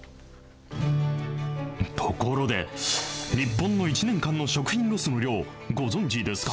ところで、日本の１年間の食品ロスの量、ご存じですか？